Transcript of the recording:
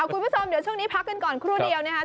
คุณผู้ชมเดี๋ยวช่วงนี้พักกันก่อนครู่เดียวนะครับ